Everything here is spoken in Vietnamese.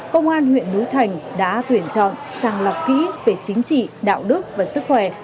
công an huyện núi thành đã tuyển chọn sàng lọc kỹ về chính trị đạo đức và sức khỏe